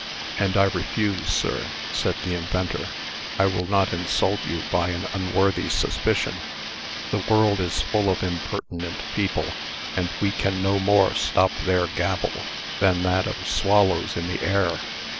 "And I refuse, sir," said the inventor. "I will not insult you by an unworthy suspicion. The world is full of impertinent people, and we can no more stop their gabble, than that of swallows in the air.